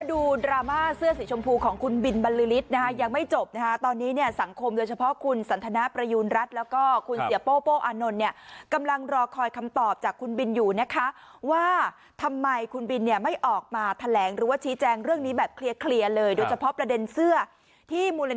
ดราม่าเสื้อสีชมพูของคุณบินบรรลือฤทธินะคะยังไม่จบนะคะตอนนี้เนี่ยสังคมโดยเฉพาะคุณสันทนาประยูณรัฐแล้วก็คุณเสียโป้โป้อานนท์เนี่ยกำลังรอคอยคำตอบจากคุณบินอยู่นะคะว่าทำไมคุณบินเนี่ยไม่ออกมาแถลงหรือว่าชี้แจงเรื่องนี้แบบเคลียร์เลยโดยเฉพาะประเด็นเสื้อที่มูล